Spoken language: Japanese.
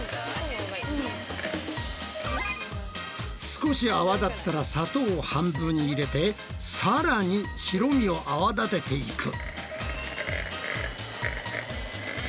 少し泡立ったら砂糖を半分入れてさらに白身を泡立てていく。